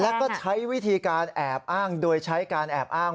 แล้วก็ใช้วิธีการแอบอ้างโดยใช้การแอบอ้าง